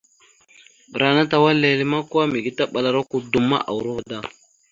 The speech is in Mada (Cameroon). Ɓəra ana tawala lele ma, mige taɓal ara kudom ma, urova da.